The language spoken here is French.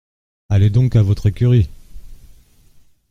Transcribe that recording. Allez donc à votre écurie !